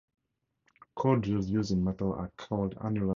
Core drills used in metal are called annular cutters.